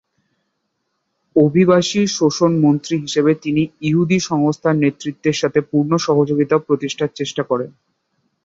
অভিবাসী শোষণ মন্ত্রী হিসেবে তিনি ইহুদি সংস্থার নেতৃত্বের সাথে পূর্ণ সহযোগিতা প্রতিষ্ঠার চেষ্টা করেন।